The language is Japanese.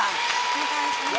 お願いします。